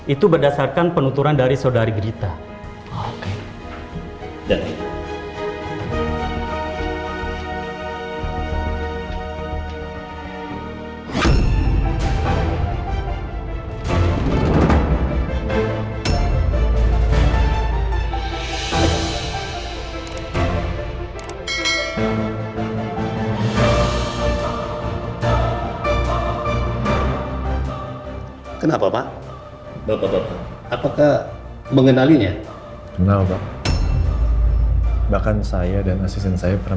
itu berdasarkan penuturan dari saudari grita